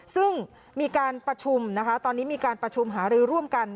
ซึ่งมีการประชุมนะคะตอนนี้มีการประชุมหารือร่วมกัน